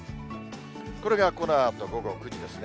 これがこのあと午後９時ですね。